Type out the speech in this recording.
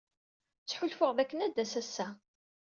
Ttḥulfuɣ dakken ad d-tas ass-a.